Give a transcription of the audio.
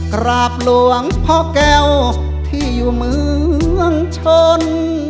กราบหลวงพ่อแก้วที่อยู่เมืองชน